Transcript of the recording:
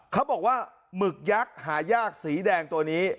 เขาบอกว่าหมึกยักษ์หายากสีแดงตัวนี้